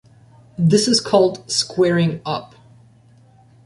This is called squaring up.